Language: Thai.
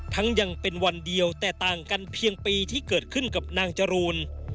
ยังเป็นวันเดียวแต่ต่างกันเพียงปีที่เกิดขึ้นกับนางจรูน